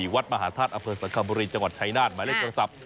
วัดมหาธาตุอเวิร์ดสังคมบุรีจังหวัดชายนาฏหมายเลขกระทรัพย์